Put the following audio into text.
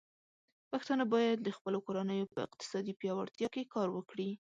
پښتانه بايد د خپلو کورنيو په اقتصادي پياوړتيا کې کار وکړي.